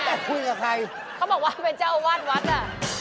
แต่พูดกับใครเขาบอกว่าเจ้าวาดวัดอ่ะ